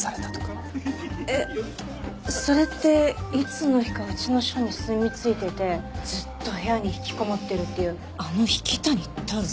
えっそれっていつの日かうちの署に住み着いててずっと部屋にひきこもってるっていうあの引谷太郎？